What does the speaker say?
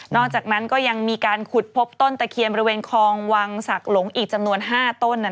อกจากนั้นก็ยังมีการขุดพบต้นตะเคียนบริเวณคลองวังศักดิ์หลงอีกจำนวน๕ต้น